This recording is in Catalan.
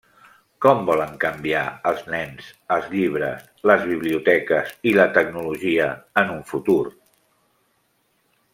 Com volen canviar els nens els llibres, les biblioteques i la tecnologia en un futur?